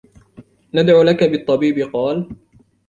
نَدْعُو لَك بِالطَّبِيبِ ؟ قَالَ